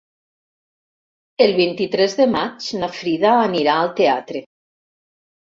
El vint-i-tres de maig na Frida anirà al teatre.